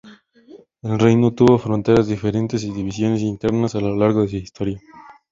El reino tuvo fronteras diferentes y divisiones internas a lo largo de su historia.